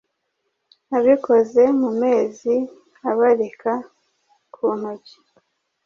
abikoze mu mezi abarika ku ntoki